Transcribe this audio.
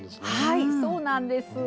はいそうなんです。